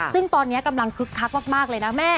ซึ่งตอนนี้กำลังคึกคักมากเลยนะแม่